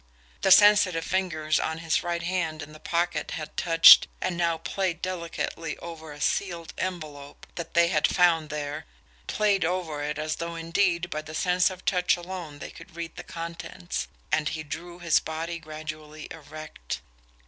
The sensitive fingers of his right hand in the pocket had touched, and now played delicately over a sealed envelope that they had found there, played over it as though indeed by the sense of touch alone they could read the contents and he drew his body gradually erect.